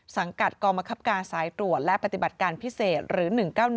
สังกัดกองบังคับการสายตรวจและปฏิบัติการพิเศษหรือ๑๙๑